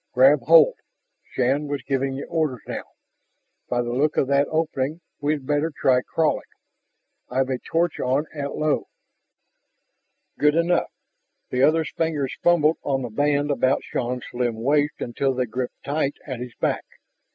"Grab hold!" Shann was giving the orders now. "By the look of that opening we had better try crawling. I've a torch on at low " "Good enough." The other's fingers fumbled on the band about Shann's slim waist until they gripped tight at his back.